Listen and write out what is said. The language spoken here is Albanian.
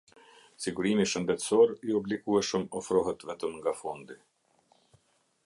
Sigurimi shëndetësor i obligueshëm ofrohet vetëm nga Fondi.